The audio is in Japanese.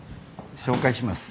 紹介します。